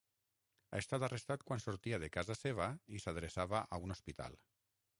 Ha estat arrestat quan sortia de casa seva i s’adreçava a un hospital.